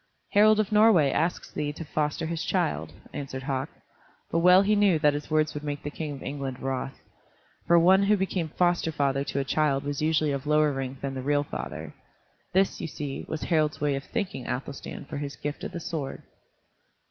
"Harald of Norway asks thee to foster his child," answered Hauk. But well he knew that his words would make the King of England wroth. For one who became foster father to a child was usually of lower rank than the real father. This, you see, was Harald's way of thanking Athelstan for his gift of the sword.